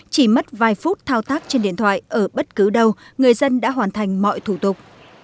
chỉ mất vài phút thao tác trên điện thoại ở bất cứ đâu người dân đã hoàn thành mọi thủ tục